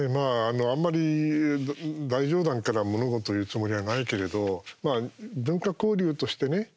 あんまり大上段から物事を言うつもりはないけれど文化交流としてね